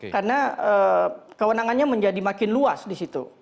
karena kewenangannya menjadi makin luas di situ